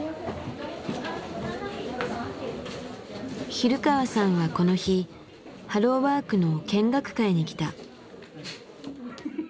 比留川さんはこの日ハローワークの見学会に来た。